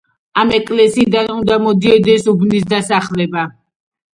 ამ ეკლესიიდან უნდა მოდიოდეს უბნის დასახელება.